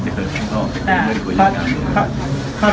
ท่านคิดด้วยครับ